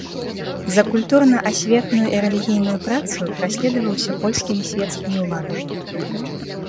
За культурна-асветную і рэлігійную працу праследаваўся польскімі свецкімі ўладамі.